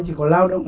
chỉ có lao động